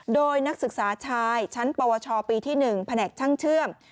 โดยนักศึกษาชายชั้นปวชปีที่๑แผนกช่างเชื่อม